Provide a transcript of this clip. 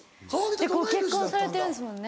ご結婚されてるんですもんね。